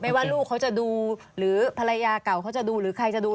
ว่าลูกเขาจะดูหรือภรรยาเก่าเขาจะดูหรือใครจะดู